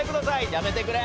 やめてくれ。